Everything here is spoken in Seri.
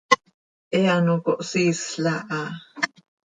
He ano cohsiisl aha.